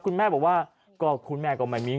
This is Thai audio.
คุณแม่ก็ไม่มีเงิน